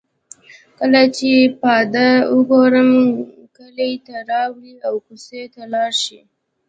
کله چې پاده او ګورم کلي ته راولي او کوڅې ته راشي.